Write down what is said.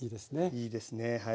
いいですねはい。